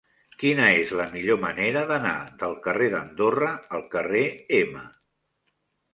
Quina és la millor manera d'anar del carrer d'Andorra al carrer M?